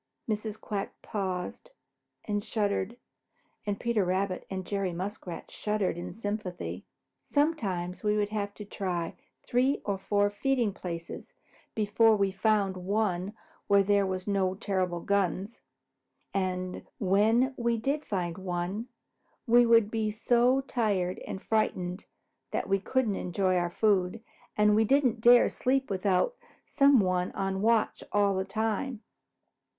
Mrs. Quack paused and shuddered, and Peter Rabbit and Jerry Muskrat shuddered in sympathy. "Sometimes we would have to try three or four feeding places before we found one where there were no terrible guns. And when we did find one, we would be so tired and frightened that we couldn't enjoy our food, and we didn't dare to sleep without some one on watch all the time.